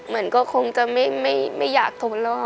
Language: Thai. มันก็คงจะไม่อยากถ่วงเรา